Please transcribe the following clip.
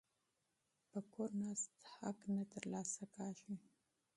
په کور ناست حق نه ترلاسه کیږي.